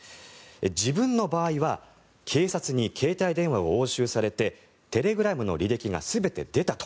自分の場合は警察に携帯電話を押収されてテレグラムの履歴が全部出たと。